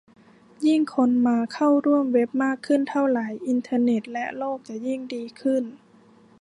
ยิ่งคนมาเข้าร่วมเว็บมากขึ้นเท่าไร อินเทอร์เน็ตและโลกจะยิ่งดีขึ้น